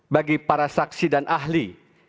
bagi para saksi dan ahli